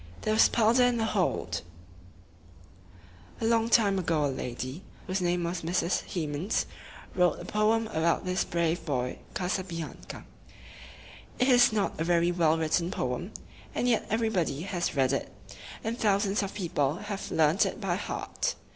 There was powder in the hold! A long time ago a lady, whose name was Mrs. Hemans, wrote a poem about this brave boy Ca sa bi an ca. It is not a very well written poem, and yet everybody has read it, and thousands of people have learned it by heart.